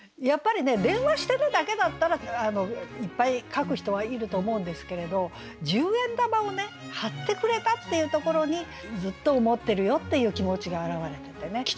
やっぱりね「電話してね」だけだったらいっぱい書く人はいると思うんですけれど十円玉を貼ってくれたっていうところにずっと思ってるよっていう気持ちが表れててね